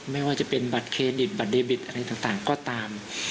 ไม่ว่าจะเป็นบัตรเครดิตบัตรเดบิตอะไรต่างก็ตาม